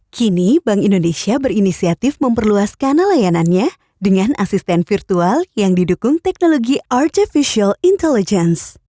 kini bank indonesia berinisiatif memperluas kanal layanannya dengan asisten virtual yang didukung teknologi artificial intelligence